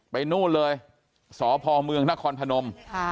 นู่นเลยสพเมืองนครพนม